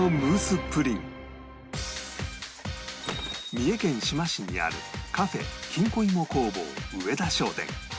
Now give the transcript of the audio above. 三重県志摩市にあるカフェきんこ芋工房上田商店